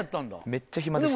めっちゃ暇でした。